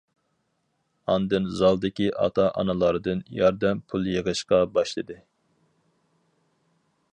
ئاندىن زالدىكى ئاتا-ئانىلاردىن ياردەم پۇل يىغىشقا باشلىدى.